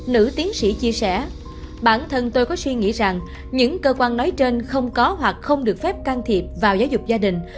nữ tiến sĩ chia sẻ bản thân tôi có suy nghĩ rằng những cơ quan nói trên không có hoặc không được phép can thiệp vào giáo dục gia đình